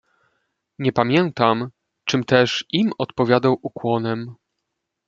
"Nie pamiętam, czym też im odpowiadał ukłonem."